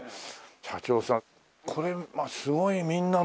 社長さんこれすごいみんなの。